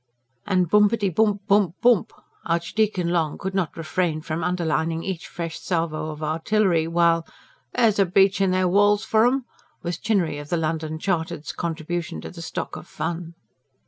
And: "Boompity boomp boomp boomp!" Archdeacon Long could not refrain from underlining each fresh salvo of artillery; while: "That's a breach in their walls for 'em!" was Chinnery of the London Chartered's contribution to the stock of fun.